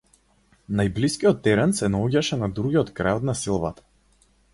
Најблискиот терен се наоѓаше на другиот крај од населбата.